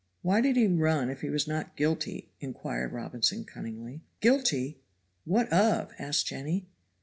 "Why did he run if he was not guilty?" inquired Robinson cunningly. "Guilty what of?" asked Jenny.